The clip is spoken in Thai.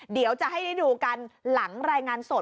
เดี๋ยวจะให้ได้ดูกันหลังรายงานสด